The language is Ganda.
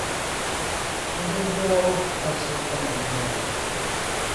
Bajjajja bo mw’osibuka omanyiiyo bameka?